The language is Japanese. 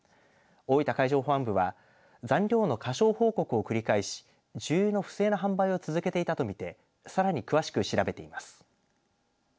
大分海上保安部は残量の過少報告を繰り返し重油の不正な販売を続けていたと見てさらに詳しく調べています。